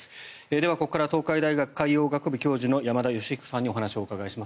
では、ここから東海大学海洋学部教授山田吉彦さんにお話をお伺いします。